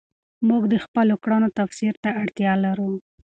موږ د خپلو کړنو تفسیر ته اړتیا لرو.